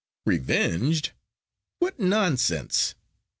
"Revenged! What nonsense!